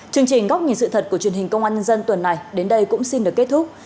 chương trình góc nhìn sự thật của truyền hình công an nhân dân tuần này đến đây cũng xin được kết thúc